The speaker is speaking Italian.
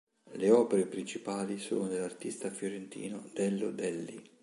Le opere principali sono dell'artista fiorentino Dello Delli.